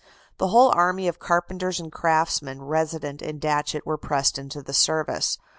The whole army of carpenters and craftsmen resident in Datchet were pressed into the service.